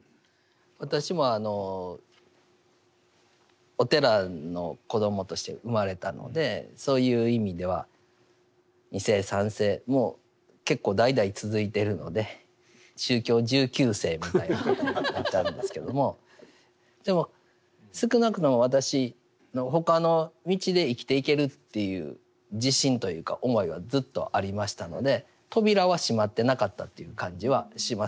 私もお寺の子どもとして生まれたのでそういう意味では２世３世もう結構代々続いているので宗教１９世みたいなことになっちゃうんですけども。でも少なくとも私の他の道で生きていけるっていう自信というか思いはずっとありましたので扉は閉まってなかったという感じはします。